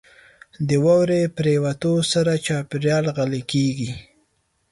• د واورې پرېوتو سره چاپېریال غلی کېږي.